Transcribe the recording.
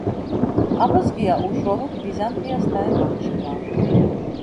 აბაზგია უშუალოდ ბიზანტიას დაემორჩილა.